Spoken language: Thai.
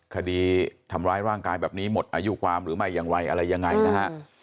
คดีทำร้ายร่างกายแบบนี้หมดอายุความหรือไม่อย่างไรอะไรยังไงนะฮะ